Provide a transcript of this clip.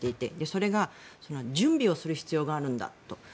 それが準備をする必要があるんだと。